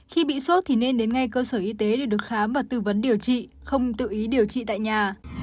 khi bị sốt thì nên đến ngay cơ sở y tế để được khám và tư vấn điều trị không tự ý điều trị tại nhà